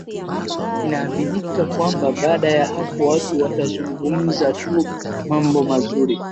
Inaaminika kwamba baada ya hapo watu watazungumza tu mambo mazuri